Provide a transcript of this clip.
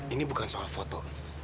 ini bukan soal foto